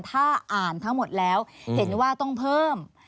ถ้าอ่านทั้งหมดแล้วเห็นว่าต้องเพิ่ม